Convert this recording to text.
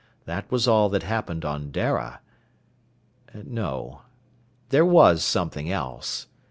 That was all that happened on Dara.... No. There was something else.